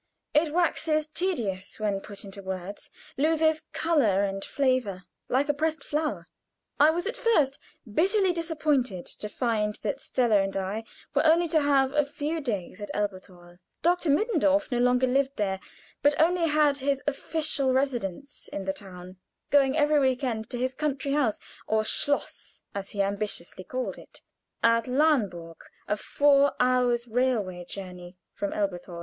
It waxes tedious when put into words loses color and flavor, like a pressed flower. I was at first bitterly disappointed to find that Stella and I were only to have a few days at Elberthal. Dr. Mittendorf no longer lived there; but only had his official residence in the town, going every week end to his country house, or "Schloss," as he ambitiously called it, at Lahnburg, a four hours' railway journey from Elberthal.